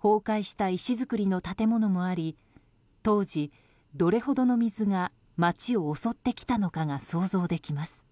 崩壊した石造りの建物もあり当時、どれほどの水が街を襲ってきたのかが想像できます。